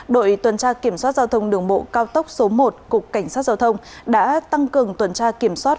đội tuần tra kiểm soát giao thông đường bộ cao tốc số một cục cảnh sát giao thông đã tăng cường tuần tra kiểm soát